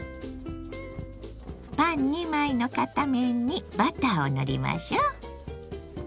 パン２枚の片面にバターを塗りましょう。